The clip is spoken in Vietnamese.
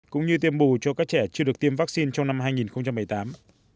cũng như tiêm bù cho các trẻ chưa được tiêm vaccine trong năm hai nghìn một mươi tám